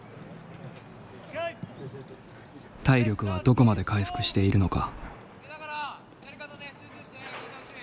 体力はどこまで回復しているのか。